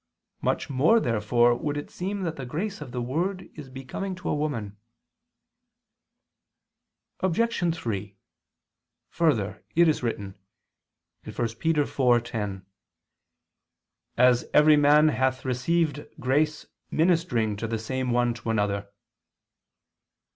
Much more therefore would it seem that the grace of the word is becoming to a woman. Obj. 3: Further, it is written (1 Pet. 4:10): "As every man hath received grace ministering the same one to another."